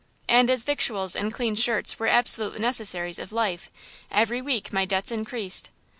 And as victuals and clean shirts were absolute necessaries of life, every week my debts increased.